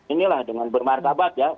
inilah dengan bermartabat ya